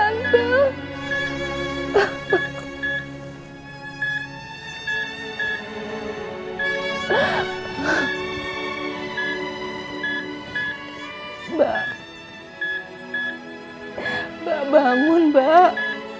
mbak bangun mbak